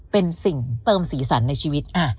เป็นสิ่งเติมสีสันในชีวิต